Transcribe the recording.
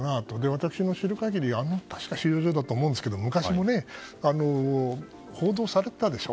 私が知る限りでは確か収容所だと思うんだけど昔も報道されていたでしょ？